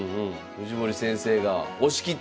藤森先生が押し切った！